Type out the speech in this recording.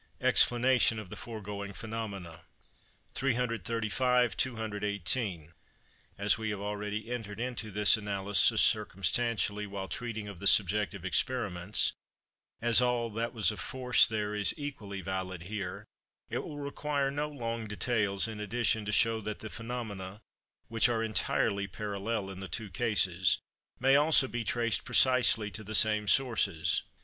EXPLANATION OF THE FOREGOING PHENOMENA. 335 (218). As we have already entered into this analysis circumstantially while treating of the subjective experiments, as all that was of force there is equally valid here, it will require no long details in addition to show that the phenomena, which are entirely parallel in the two cases, may also be traced precisely to the same sources.